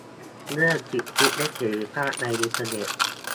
เรื่อง "สิทธิและเสรีภาพในอินเทอร์เน็ต"